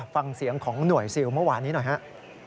ฟังเสียงของหน่วยซิลเมื่อวานนี้หน่อยครับ